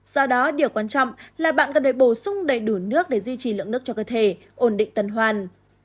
do đó điều quan trọng là bạn cần phải bổ sung đầy đủ nước để duy trì lượng nước cho cơ thể ổn định tuần hoàn